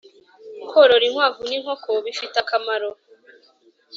korora inkwavu n’inkoko bifite akamaro